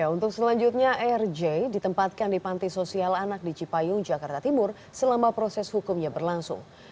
untuk selanjutnya rj ditempatkan di panti sosial anak di cipayung jakarta timur selama proses hukumnya berlangsung